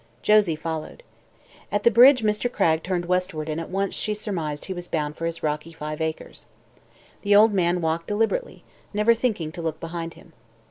Josie followed. At the bridge Mr. Cragg turned westward and at once she surmised he was bound for his rocky five acres. The old man walked deliberately, never thinking to look behind him.